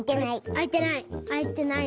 あいてない。